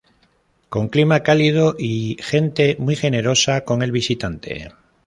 Con clima cálido y gente muy generosa con el visitante.